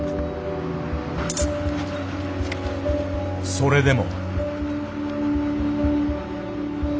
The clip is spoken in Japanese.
それでも。